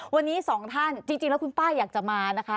วันนี้สองท่านจริงแล้วคุณป้าอยากจะมานะคะ